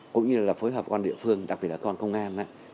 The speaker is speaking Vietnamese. cũng như là phối hợp quan địa phương đặc biệt là cơ quan công an